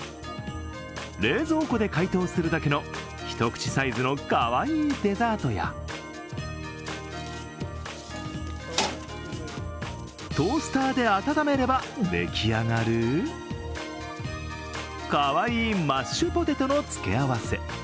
冷蔵庫で解凍するだけの一口サイズのかわいいデザートやトースターで温めればでき上がるかわいいマッシュポテトの付け合わせ。